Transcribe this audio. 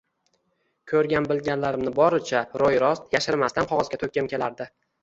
Ko‘rgan-bilganlarimni boricha, ro‘yi rost, yashirmasdan qog‘ozga to‘kkim kelardi